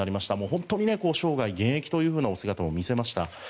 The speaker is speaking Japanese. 本当に生涯現役というお姿も見せました。